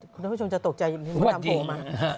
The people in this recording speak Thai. คุณผู้ชมจะตกใจดังไงมันทำโหลมา